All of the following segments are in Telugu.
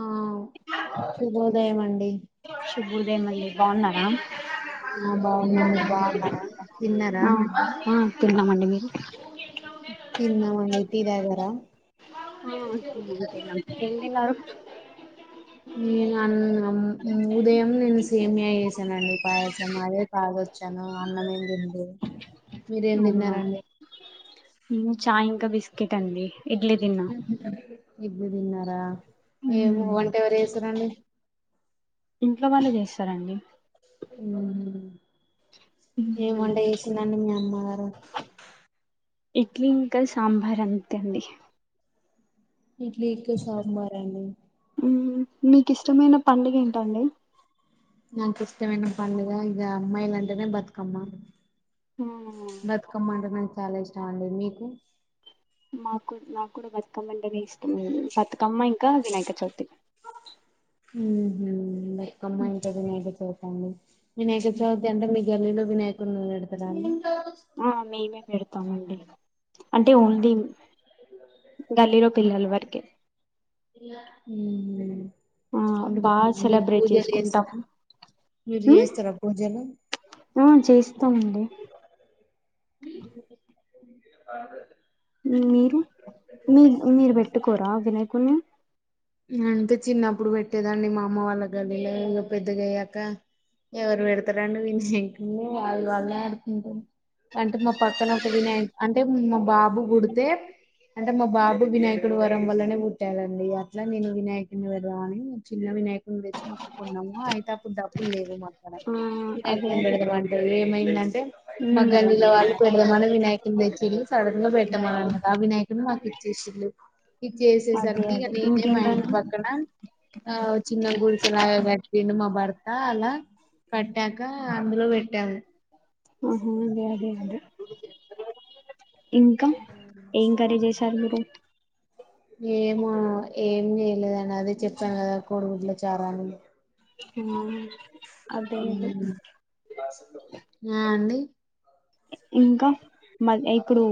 ఆ శుభోదయం అండి కుబూల్ దేమయే బాగున్నార ఆ బాగున్నాం మీరు బాగున్నారా తిన్నారా ఆ ఆ తిన్నమండీ మీరు టి దాగారా ఎంతిన్నారు. నేను అన్న ఉదయం నేను సేమియా చేసానండి పాయసం అదే తాగొచ్చాను అన్నమేం తినలే మీరేం తిన్నారండి ఇ చాయ్ ఇంకా బిస్కెట్ అండి ఇడ్లీ తిన్నా ఇడ్లి తిన్నారా ఏమో మ్మ్. వంట ఎవరు చేసారండి ఇంట్లో వాళ్ళు చేస్తారండి ఉ ఏ మ్మ్. వంట చేసిందండి మీ అమ్మగారు ఇడ్లీ ఇంకా సాంబార్ అంతే అండి ఇడ్లీకి సాబమార్ అండి మ్మ్. మీకు ఇష్టమైన పండుగ ఏంటండి నాకు ఇష్టమైన పండుగ ఇక అమ్మాయిలాంటేనే బతుకమ్మ ఆ బతుకమ్మ అండనీట్ చాలా ఇష్టం అండి మీకు మాకు నాకు బతుకమ్మ అంటేనే ఇష్టం బతుకమ్మ ఇంకా వినాయక చవితి ఉ అమ్మా ఉంటేనే వినాయక చవితి అండి వినయకచవితి అంటే మీ గల్లీలో వినాయకుడిని వ పెడతార అండి ఆ మేమే పెడతామండి అంటే ఓన్లీ గల్లీలో పిల్లల వరకే ఆ అంటే బాగా మీరు సెలబ్రేట్ పూజలు చేసుకుంటాం చేస్తారా మీరు ఉమ్ చేస్తారా పూజలు ఆ చేస్తామండి అదేే మీరు మీ మీరు పెట్టుకోరా దినైకున్ని అంటే చిన్నప్పుడు పెట్టేదండి మా అమ్మ వాళ్ళ గలీలో ఇ పెద్దగా అయ్యాక ఎవరు పెడతారండి వినాయకుడిని వాళ్ళ వాళ్ళ ఆడుకుంటాారు అంటే మా పక్కన ఒక వినాయ అంటే మా బాబు గుుడితే అంటే మా బాబు వినాయకుడు వరం వల్లనే పుట్టాలండి అట్లా నేను వినాయకుడిని వెళ్దామని చిన్న వినాయకుని వచ్చి మక్కుకున్నాము అయితే అప్పుడు డబ్బులు లేవు మా ఆ అదే వినాయకుని అదే పెడదామంటారు ఏమైందంటే మా ఉమ్, గల్లీలో వాళ్ళు పెడదామని వినాయకుని తెచ్చిండు సడన్ గా పెట్టమని అన్నమాట ఆ వినాయకుని మాకు ఇచ్చేసిళు అదే ఇచ్చేసేసరికి అదే అది మా ఇంటి ఇంకేంటండి పక్కన ఆ చిన్న గుడిచలాకట్టి దిన్ని మా బర్తా అలా కట్టాక అందులో పెట్టాము ఆహా అదే అదే అదే ఇంకా ఏం కర్రీ చేసారు మీరు ఏమా ఏం చేయలేద అదే చెప్పాను కదా కోడిగుడ్ల చారాను ఉమ్ ఆ అండి ఇంకా మ ఇప్పుడు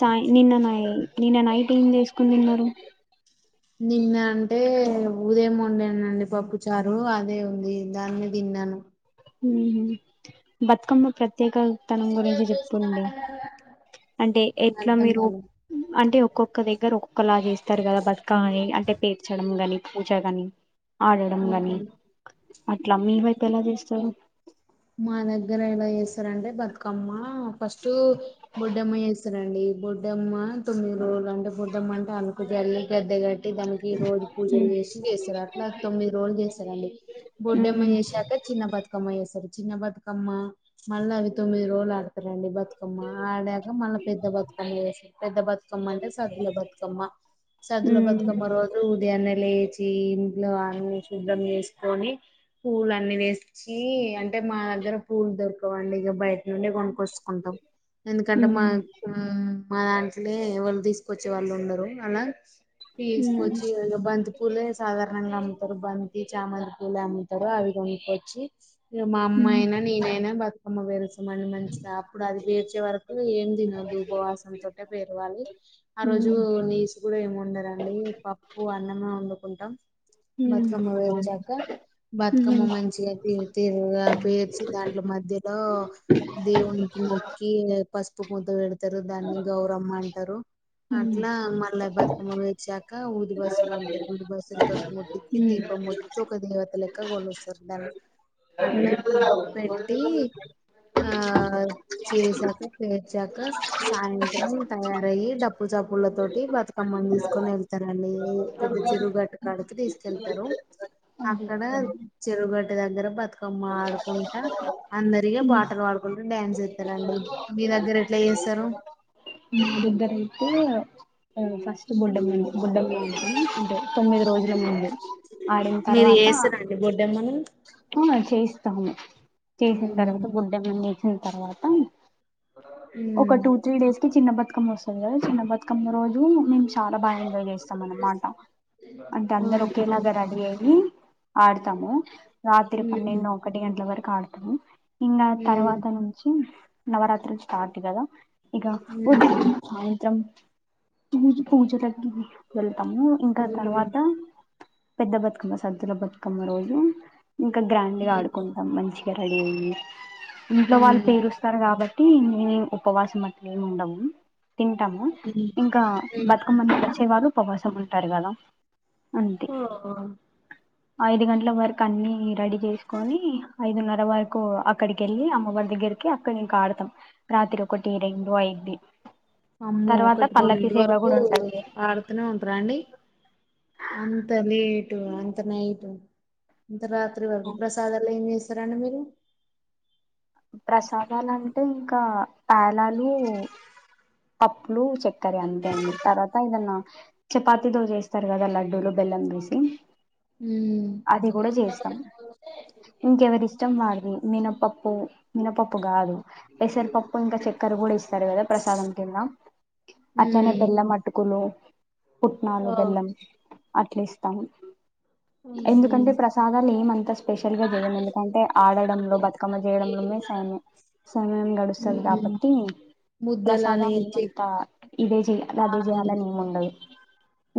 సాయ్ నిన్న నై నిన్న నైట్ ఏం చేస్కొని తిన్నారు నిన్న అంటే ఉదయం వండేనండి పప్పు చారు అదే ఉంది దాన్ని తిన్నాను హ్మ్మ్ బతుకమ్మ ప్ర త్యేకతనం గురించి చెప్పండి అంటే ఎట్లా అర్థం మీరు కాలే అంటే ఒక్కొక్క దగ్గర ఒక్కొక్కలా చేస్తారు కదా బతుకమ్మని అంటే పేర్చడం గాని పూజ గాని ఆడడం గాని ఉమ్. అట్లా మీ వైపెలా చేస్ తరు మా దగ్గర ఎలా చేస్తారంటే బతుకమ్మ ఫస్ట్టు బొడ్డమ్మ చేస్తారూ అండి బొడ్డమ్ తొమ్మిది రోజులు అంటే బొడ్డమ్మ అంటే ఆళ్ళకు జల్లి గడ్డ కట్టి దానికి రోజు పూజలు ఉమ్ చేసి చేస్తారు అట్లా తొమ్మిది రోజులు చేస్తారండి బొడ్డమ్మ ఉమ్హు, చేసాక చిన్న బతుకమ్మ చేస్తారు చిన్న బతుకమ్మ మళ్ళ అవి తొమ్మిది రోజల రండి బతుకమ్మ ఆడాక మళ్ళ పెద్ద బతుకమ్మ చేసి పెద్ద బతుకమ్మ అంటే సద్దుల బతుకమ్మ సద్దుల ఉమ్ బతుకమ్మ రోజు ఉదయాన్న లేచి చి ఇంట్లో అన్న శుద్ద్రం చేసుకొని పూలన్నీ వేస్ చీ అం టే మా దగ్గర పూల్ దొరక కవండి ఇక బయట నుండి కొనుక్ కోసుకుంటాం ఎందుకంటే మా ఉమ్ మ్మ్ మా దాంట్నే ఎవళ్ళు తీసుకొచ్చే వాళ్ళుండరు అలా ఉమ్ తీసుకొచ్చి బంతి పూలే సాధారణంగా అమ్ముతారు బం చామంతి పూలు అమ్ముతారు అవి కొనుకొచ్చి మా ఉమ్ అమ్మ ఉమ్ అయినా నేనైనా బతుకమ్మ పేరుస్తామండి మంచిగా అప్పుడు అది పేర్చే వరకు ఏం తినదు ఉపవాసం తోటే పేరవాలి ఆ రోజు నీస్ కూడా ఏమి వండరండి పప్పు అన్నమే ఉం ఉంటాం బతుకమ్మ ఉమ్ పేచ్చాక బతుకమ్మ మంచించిగాది తీరుగా పేర్చి దాంట్ల మధ్యలో దేవునికి మొక్కి పసు పు ముద్ద అందరూ దాన్ని గౌరమ్మా అంటారు ఉమ్ ఉమ్ అట్లా మళ్ళ బతుకమ్మ పేర్చి ఇంకా ఊది బస్సులు ఉంటాయి ఊది బస్సుల తో ముట్టించి ఉమ్. దీపం ముట్టించి ఒక దేవతల లెక్క సంద దగ్గర ఆ చేసాక పేర్చాక సాయంత్రం తయారయి డప్పు చప్పుల తోటి బతుకమ్మని తీసుకొని వెళ్తారండి పెద్ద చెరుగట్టు కాడికి తీసుకెళ్తారు అదే. అక్కడ చెరుగట్టు దగ్గర బతు బతుకమ్మ ఆడుకుంటా అందరిగా ఉమ్. పాటలు పాడుకుంటూ డ్యాన్స్ చేస్తారండి మీ దగ్గర ఎట్లా చేస్తారు అరుద్దర ఇతే ఫస్ట్ బోడ్డామ్మా బోడ్డామ్మా చేసుకొని తొమ్మిది రోజుల ముందు ఆడిన మీరు తర్వాత చేస్తారండి బొడ్డెమ్మని చేసి తా చేసిన ఉమ్ తర్వాత బొడ్డెమ్మను అయిపోయిన తర్వాత ఒక ఉమ్. టూ త్రీ డేస్ కి చిన్న బతుకమ్మ బతుకమ్మ వస్తాది కదా చిన్న బతుకమ్మ రోజు మేము చాలా బాగా ఎంజాయ్ చేస్తాం అన్మాట అంటే అందరు ఆహా ఒకేలాగా రెడీ అయ్యి ఆ ఆడతాము రాత్రి ఉమ్ ఉమ్ పన్నెండు ఒకటి గంటల వరకు ఆడుతాము ఇంకా ఉమ్ తర్వాత నుంచి నవరాత్రి స్టార్ట్ కదా ఇక ఉమ్ ఉదయం సాయంత్రం త ప పోచలా వెళ్తాము ఇంకా ఉమ్ తర్వాత పెద్ద బతుకమ్మ సర్దుల బతుకమ్మ రోజు ఇంకా గ్రాండ్ గా ఆడుకుంటాం మంచిగా అ ఇంట్లో వాళ్ళు ఉమ్ పేరుస్తారు కాబట్టి టి ఇ ఉపవాసం అట్లా ఏమి ఉండము తింటాము ఉమ్ ఆ ఉమ్ బతుకమ్మను వచ్చే వారం అఅందరూ ఉపవాసమ ఉంటారు కదా అంతే ఆ ఐదు గంటల వరకు అన్ని రెడీ చేసుకొని ఐదున్నర వరకు అక్కడికి వెళ్ళి అమ్మవారి దగ్గరికి అక్కడ ఇంకా ఆడతాం రాత్రి ఒకటి రెండు అయ్యింది అమ్మో ఒకటి రెండింటి వరకు ఉంటది ఆడుతూనే ఉంటారు అండి అంతలి అంతనే [inaudible] రాత్రి వరకు ప్రసాధాలు ఏం జేస్ చిత్తరన్నం మీరు ప్రసాదాలంటే ఇంకా ప్యాలల్ లు పప్పులు చక్కరి అంతే అండి తర్వాత ఏదన్నా చపాతీతో చేస్తారు కదా లడ్డూలు బెల్లం వేసి ఉమ్. అది గుడా జేస్తాం ఇంక్ ఎవరిష్టం వారిది మినప్పప్ పు మినపప్పు గాదు పెసరిపప్పు ఇంకా చక్కెర గుడ ఎస్తారు. కదా ప్రసాదం కింద అట్లనే ఉమ్. బెల్లం అటుకులు పుట్నాలు ఓ, బెల్లం. అట్లే ఇస్తాము ఉహు. ఎందుకంటే ప్రసాదాలు ఏమంత స్పెషల్ గా జేయ్యం. ఎందుకంటే ఆడడంలో బతుకమ్మ చేయడంలోనేే సైన్య సమయం గడుస్తది. ఉమ్. కాబట్టి ముద్దలని ప్రసాదాలు చెక్ ఏమంతా ఇదే చెయాలి ఆ, అదే చేయ్యాలని ఏమి ఉండదు.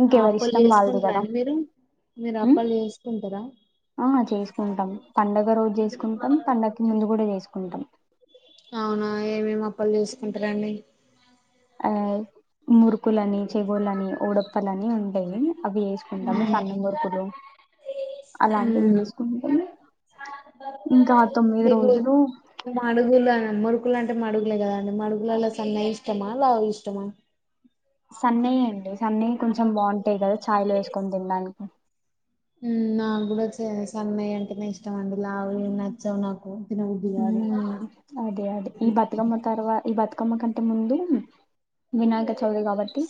ఇంకెవరి అప్పలు ఇష్టం వాళ్ళది కదా చేసుకుంటారండి మీరు మీరు అప్ ఆ చేసుకుంటాం పండుగ రోజు జేసుకుంటాం పండక్కి ముందు గుడా జేసుకుంటాం లేసుకుంటరా అండి ఆవ్ మురుకులని చెగుల్లులని ఉడప్పలని ఉంటాయి అవి ఏసుకుంటాము సన్నం మురుకులు అలాంటివి వేసుకుంటము ఇంకా తొమ్మిది దిండు రోజులు మడుగుల మొరుగ్ మడుగులు అంటే మడుగులే కదా అండి మడుగులలో సన్న ఇష్టమా లావు ఇష్టమా సన్నయె అండి సన్నయె కొంచం బాంటై కదా చాయ్లో ఏసుకొని తిన్డానికి ఉమ్ నా గుడా సా సన్నయె అంటేనే ఇష్టం అండి లావువి నచ్చవు నాకు తినబుద్ధి కాదు ఉమ్ అదే అదే ఈ బతుకమ్మ తరవా ఈ బతు క్కమ్మ కంటే ముందు వినాయక చవితి కాబట్టి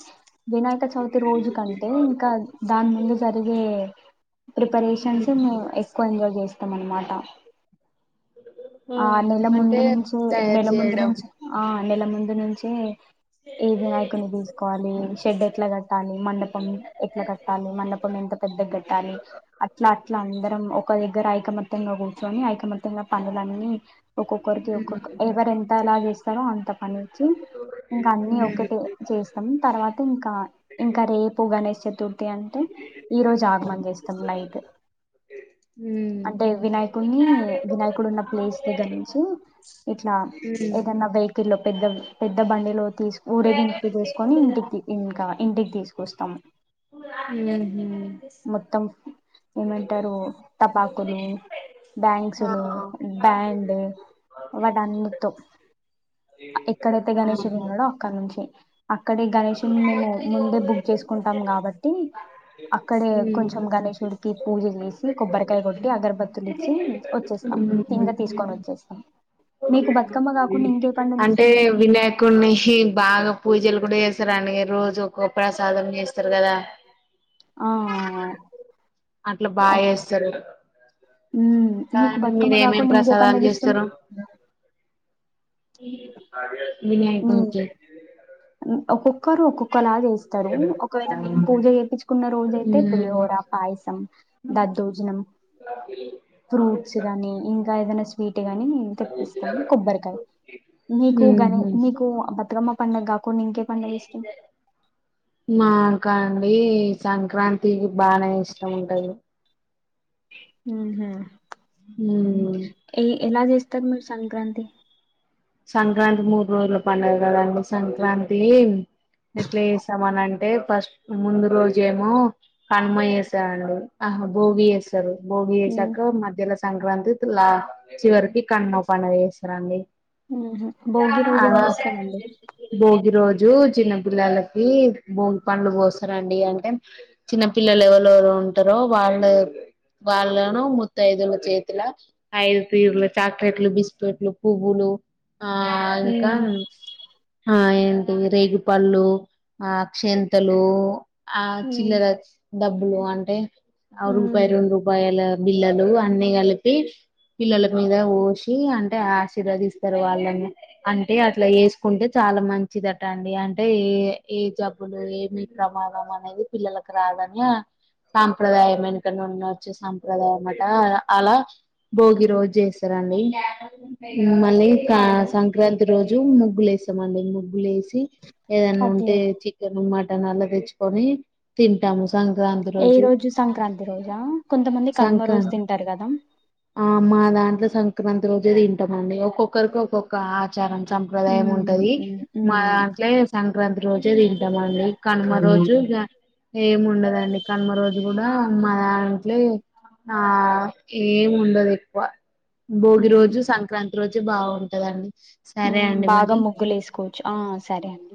వినాయక చవితి రోజు కంటే ఇంకా దాని ముందు జరిగే ప్రిపరేషన్స్ మేము ఎక్కువ ఎంజాయ్ చేస్తాం అనమాట. ఆ నెల అంటే ముందు నుంచే తయారు నెల ముందు చేయడం నుంచి ఆ నెల ముందు నుంచే ఏ వినాయకుని తీసుకోవాలి షెడ్ ఎట్ల కట్టాలి. మండపం ఎట్ల కట్టాలి మండపం ఎంత పెద్దగ్ కట్టాలి. అట్లా అట్లా అందరం ఒక దగ్గర ఐకమత్యంగా కూర్చొని ఐకమత్యంగా పని. అని ఒక్కొక్కరికి ఉమ్ ఒక్కొక్క ఎవరు ఎంత ఎలా చేస్తారో అంత పనిచ్చి ఇంకా అన్ని ఒకటి చేస్తాం. తర్వాత ఇంకా ఇంకా రేపు గణేష్ చతుర్థి అంటే ఈ రోజు ఆగమం చేస్తాం నైట్ ఉమ్ అంటే వినాయకుడిని వినాయక్ ఆ ప్లేస్ దగ్గర నుంచి ఇట్ల ఏదన్న ఉమ్. వేకిల్లో పెద్దవి పెద్ద బండిలో తీస్ ఊరేగింపు తీసుకొని ఇంటికి ఇంకా ఇంటికి తీస్ కోస్తాం ఆ మొత్తం ఏమంటారు టపాకులు బ్యాంగ్సులు ఆహా బ్యాండ్ వాటి అన్నితో ఎక్కడైతే గణషడు ఉన్నాడో అక్కడ నుంచి అక్కడి గణేషుడిని మేము ముందే బుక్ చేసుకుంటాం కాబట్టి అక్కడే హ్మ్ కొంచెం గణేషుడికి పూజ చేసి కొబ్బరికాయ కొట్టి అగరబత్తులు ఇచ్చి వచ్చేస్తాం ఇంగ తీసుకొని వచ్చేస్తాం మీకు బతుకమ్మ కాకుండా ఇంకే పండుగ అంటే ఇష్టం వినాయకుడిని హి బాగా పూజలు గుడ్డెస్ రోజు ఒక ప్రసాదం చేస్తారు కదా ఆ అట్లా బాగా చేస్తారు ఉమ్ మీకు కాదండి బతుకమ్మ మీరు ఏమేం కాకుండా ఇంకే ప్రసాదాలు పండగ ఇష్టం అడి నీ వినాయకుడిని చేయి ఒక్కొక్కరు ఒక్కొక్క ఒకలా చేస్తారు ఒకవేళ పూజ చేపిచుకున్న రోజ అయితే హ్మ్ పులిహోర పాయసం దద్దోజనం ఫ్రూట్స్ గానీ ఇంకా ఏదైనా స్వీట్ గాని తెప్పిస్తాం కొబ్బరికాయ మీకుగానీ ఉహు మీకు బతుకమ్మ పండుగ కాకుండా ఇంకే పండుగ ఇష్టం ఈ సంక్రాంతికి బానే ఇష్టం ఉంటది ఉహూ ఉమ్ ఏ ఎలా చేస్ ఉత్తర్ మీ సంక్రాంతి సంక్రాంతి మూడు రోజుల పండగ కదండి సంక్రాంతి ఎట్లా చేస్తామని అంటే ఫస్ట్ ముందు రోజు ఏమో కనుమ వేశాండు ఆహా భోగి వేసారు బోగి మ్మ్ వేశాక మధ్యలా సంక్రాంతి తలా చివరికి కనుమ పండుగ చేస్తారండి ఉహు భోగి రోజు ఏం చేస్తారండి జు చిన్న పిల్లలకి భోగి పండ్లు పోస్తారంండి అంటే చిన్న పిల్లలు ఎవలు ఎవరు ఉంటరో వాళ్ళ వాళ్ళను మత్తఅయిదుల చేతిల ఐదు తీరులు చాక్లెట్ లు బిస్కెట్లు పువ్వులు ఆ అందుకా మ్మ్ ఆ ఏంటి రేగుపళ్ళు అక్షింతలు ఆ మ్మ్ చిల్లర డబ్బులు అంటే అ రూపాయ మ్మ్ రెండు రూపాయల బిల్లలు అన్ని కలిపి పిల్లల మీద పోసి అంటే ఆశీర్వాదిస్త వాళ్ళని అంటే అట్లా వేసుకుంటే చాలా మంచిదిట అండి. అంటే ఏ ఏ జబ్బులు ఏమి ప్రమాదం అనేది పిల్లలకు రాదని సాంప్రదాయం వెనకనే ఉండొచ్చు సాంప్రదాయం అమాట అలా భోగి రోజు చేస్తారండి మళ్ళీ. అదే సంక్రాంతి రోజు ముగ్గులే వస్తామం ముగ్గులేే ఏదన్నా అదే ఉంటే అదే చికెన్ మ తెచ్చుకొని తింటాము. ఏ రోజు సంక్రాంతి రోజా కొంతమంది కనుమ రోజు సంక్రాంతి తింటారు కదా ఆ మా దాంట్లో సంక్రాంతి రోజే తింటామండి ఒక్కొక్క ఒకక్కరికి ఒక్కొక్క ఆచారం ఉమ్ సంప్రదాయం ఉంటది. ఉమ్ మా దాంట్లో సంక్రాంతి రోజే తింటాం అండి. కడమ ఉమ్ రోజుగా ఏమిండదండి. కనుమ రోజు కూడా మా దాంట్లే ఆ ఏమి ఉండదు ఎక్కువ. భోగి ఉమ్ రోజు సంక్రాంతి మ బాగుంటదండి సరే అండి బాగా మరి ముొగ్గులు వేసుకోవచ్చు ఆ సరే అండి